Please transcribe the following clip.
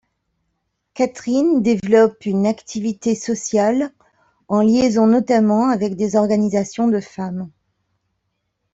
Katrín developpe une activité sociale, en liaison notamment avec des organisations de femmes.